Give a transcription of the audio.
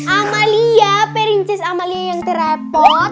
amalia perincis amalia yang terrepot